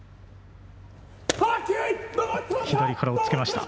左から押っつけました。